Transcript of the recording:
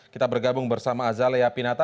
kita bergabung bersama azalea pinata